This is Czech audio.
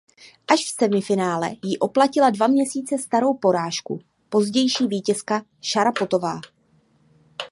Až v semifinále ji oplatila dva měsíce starou porážku pozdější vítězka Šarapovová.